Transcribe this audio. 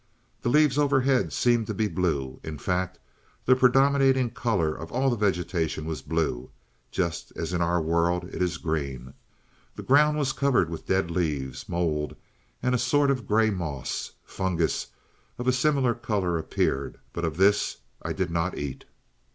The leaves overhead seemed to be blue in fact the predominating color of all the vegetation was blue, just as in our world it is green. The ground was covered with dead leaves, mould, and a sort of gray moss. Fungus of a similar color appeared, but of this I did not eat.